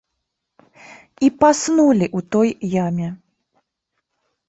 І паснулі у той яме!